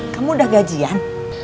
kamu udah gajian